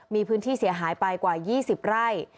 มีพื้นที่เสียหายไปกว่า๒๐ไร่